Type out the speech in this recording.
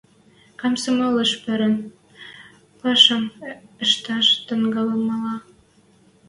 — Комсомолыш пырен, пӓшӓм ӹштӓш тӹнгӓлмӹлӓ!